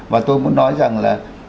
và tôi muốn nói rằng là